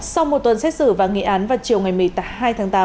sau một tuần xét xử và nghị án vào chiều ngày một mươi hai tháng tám